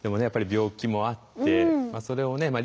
やっぱり病気もあってそれをね